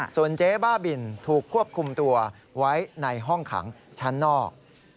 ส่วนเจ๊บ้าบินถูกควบคุมตัวไว้ในห้องขังชั้นนอก